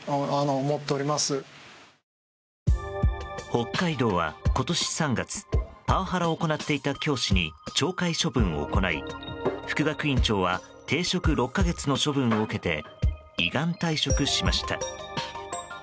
北海道は、今年３月パワハラを行っていた教師に懲戒処分を行い副学院長は停職６か月の処分を受けて依願退職しました。